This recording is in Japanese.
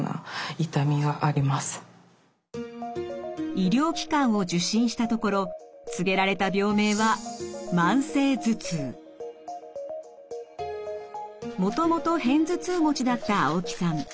医療機関を受診したところ告げられた病名はもともと片頭痛持ちだった青木さん。